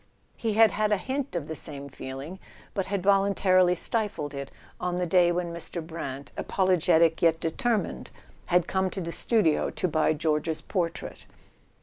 He had had a hint of the same feeling, but had voluntarily stifled it, on the day when Mr. Brant, apologetic yet determined, had come to the studio to buy George's portrait.